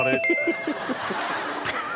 ハハハハ！